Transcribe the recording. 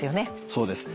そうです